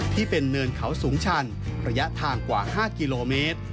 เนินเขาสูงชันระยะทางกว่า๕กิโลเมตร